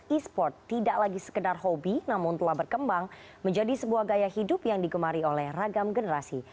e sport tidak lagi sekedar hobi namun telah berkembang menjadi sebuah gaya hidup yang digemari oleh ragam generasi